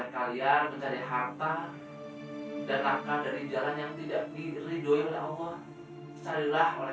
kalian mencari harta dan nafkah dari jalan yang tidak pilih doyol allah carilah oleh